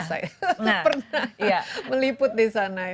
pernah pernah meliput di sana